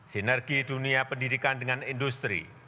sinergi dunia pendidikan dengan industri